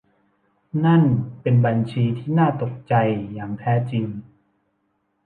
นั่นเป็นบัญชีที่น่าตกใจอย่างแท้จริง